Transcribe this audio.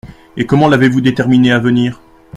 Et comment l’avez-vous déterminée à venir ?…